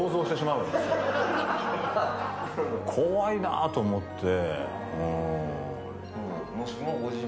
怖いなと思って。